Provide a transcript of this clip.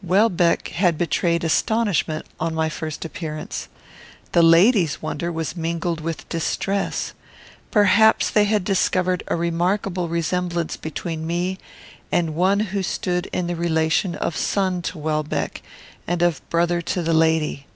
Welbeck had betrayed astonishment on my first appearance. The lady's wonder was mingled with distress. Perhaps they discovered a remarkable resemblance between me and one who stood in the relation of son to Welbeck, and of brother to the lady.